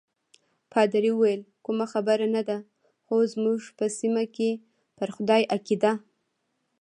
پادري وویل: کومه خبره نه ده، خو زموږ په سیمه کې پر خدای عقیده.